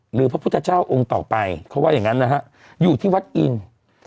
พระพุทธเจ้าองค์ต่อไปเขาว่าอย่างงั้นนะฮะอยู่ที่วัดอินทร์